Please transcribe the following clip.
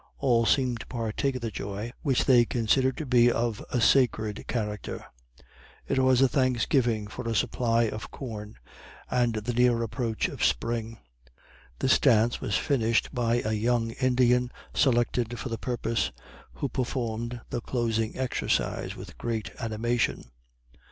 All seemed to partake of the joy, which they considered to be of a sacred character. It was a thanksgiving for a supply of corn, and the near approach of spring. This dance was finished by a young Indian, selected for the purpose, who performed the closing exercise with great animation.